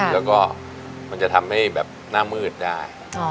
แล้วก็มันจะทำให้แบบหน้ามืดได้